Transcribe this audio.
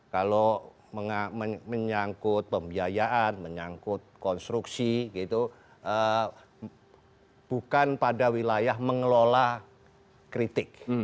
kalau menyangkut pembiayaan menyangkut konstruksi gitu bukan pada wilayah mengelola kritik